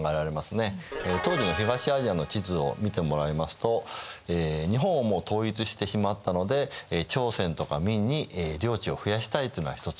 当時の東アジアの地図を見てもらいますと日本はもう統一してしまったので朝鮮とか明に領地を増やしたいというのが一つの説です。